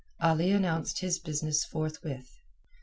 Ali announced his business forthwith.